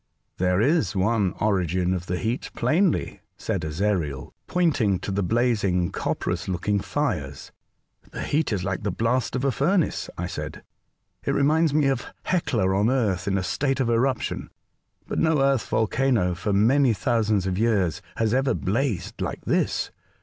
'' There is one origin of the heat plainly," N 178 A Voyage to Other Worlds. said Ezariel, pointing to the blazing, copperous looking fires. *' The heat is hke the blast of a furnace/' I said. *' It reminds me of Hecla on Earth in a state of eruption ; but no Earth volcano for many thousands of years has ever blazed like this.